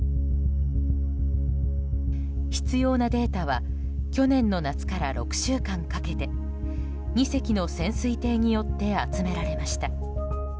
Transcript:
必要なデータは去年の夏から６週間かけて２隻の潜水艇によって集められました。